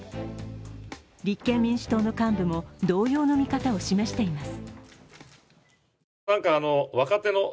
立憲民主党の幹部も同様の見方を示しています。